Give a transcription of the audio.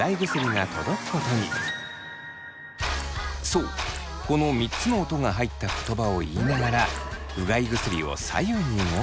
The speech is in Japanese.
そうこの３つの音が入った言葉を言いながらうがい薬を左右に動かします。